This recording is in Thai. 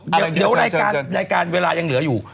แต่เดี๋ยวรายการเวลายังเหลืออยู่